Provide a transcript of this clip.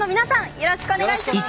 よろしくお願いします。